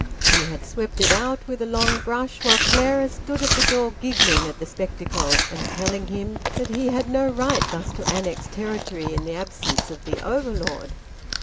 He had swept it out with a long brush, while Clara stood at the door giggling at the spectacle and telling him that he had no right thus to annex territory in the absence of the overlord.